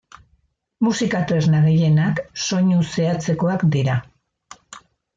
Musika tresna gehienak soinu zehatzekoak dira.